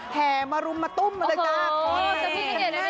แห่มารุมมาตุ้มมาเลยจ้ะโอ้โฮจ๊ะพี่ข้าเกลียดเลย